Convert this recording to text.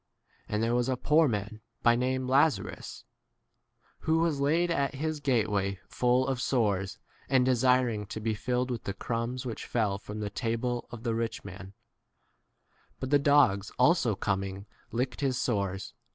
And there was a poor man, by name Lazarus, who was laid at his gateway full of 21 sores, and desiring to be filled with the crumbs which fell from the table of the rich man ; but the dogs also coming licked his sores.